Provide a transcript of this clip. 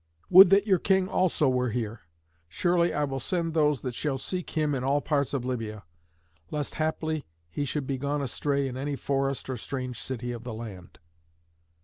Would that your king also were here! Surely I will send those that shall seek him in all parts of Libya, lest haply he should be gone astray in any forest or strange city of the land."